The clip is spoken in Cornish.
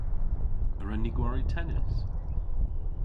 A wren ni gwari tennis?